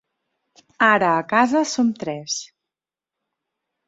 Ara a casa som tres.